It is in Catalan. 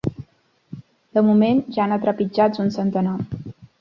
De moment, ja n’ha trepitjats un centenar.